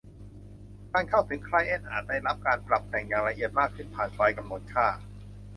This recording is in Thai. การเข้าถึงไคลเอ็นต์อาจได้รับการปรับแต่งอย่างละเอียดมากขึ้นผ่านไฟล์กำหนดค่า